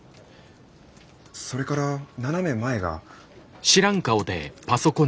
それから斜め前が。